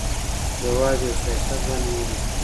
یوازې یو ښایسته ځوان مې ولید.